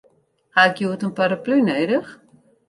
Ha ik hjoed in paraplu nedich?